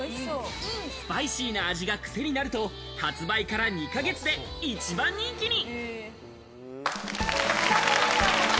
スパイシーな味がクセになると発売から２か月で一番人気に。